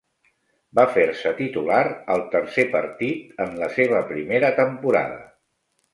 Va fer-se titular al tercer partit en la seva primera temporada.